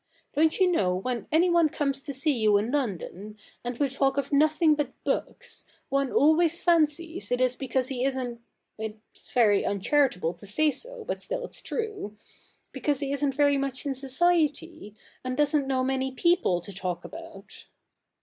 Don't you know when CH. i] THE NEW REPUBLIC 125 anyone comes to see you in London, and will talk of nothing but books, one always fancies it is because he isn't — it's ven^ uncharitable to say so, but still it's true — because he isn't very much in society, and doesn't know many people to talk about